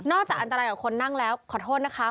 จากอันตรายกับคนนั่งแล้วขอโทษนะคะ